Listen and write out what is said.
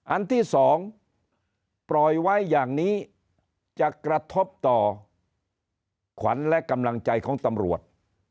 อันที่๒ปล่อยไว้อย่างนี้จะกระทบต่อขวัญและกำลังใจของตำรวจ